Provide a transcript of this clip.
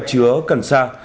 chứa cần xa